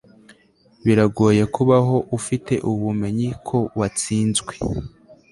biragoye kubaho ufite ubumenyi ko watsinzwe